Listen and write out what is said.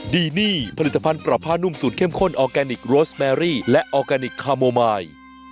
ดีนี่ผลิตภัณฑ์ปรับผ้านุ่มสูตรเข้มข้นออร์แกนิคโรสแมรี่และออร์แกนิคคาโมมาย